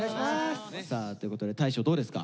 さあということで大昇どうですか？